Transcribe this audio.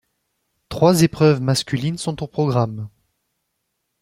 Trois épreuves masculines sont au programme.